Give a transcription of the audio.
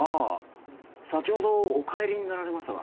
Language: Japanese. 先ほどお帰りになられましたが。